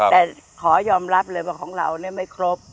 แต่ขอย้ำรับเลยว่าของเราเนี้ยไม่ครบ